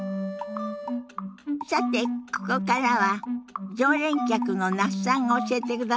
さてここからは常連客の那須さんが教えてくださるんですって。